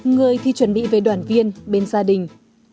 người thì chuẩn bị về đoàn viên bên gia đình